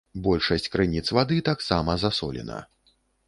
Большасць крыніц вады таксама засолена.